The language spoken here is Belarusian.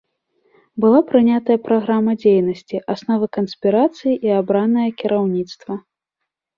Была прынятая праграма дзейнасці, асновы канспірацыі і абранае кіраўніцтва.